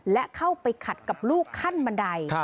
และเข้าไปขัดกับลูกขั้นบันได